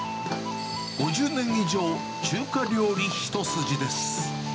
５０年以上、中華料理一筋です。